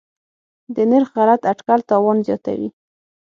د نرخ غلط اټکل تاوان زیاتوي.